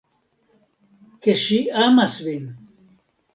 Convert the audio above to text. Ke ŝi amas vin.